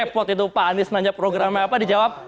ipt kalau empat ratus lima puluh anis pengajar program a apa dijawab